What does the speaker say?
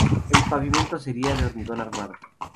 El pavimento sería de hormigón armado.